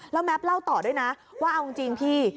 แล้วแม็ปเล่าต่อด้วยนะว่าเอาจริงพี่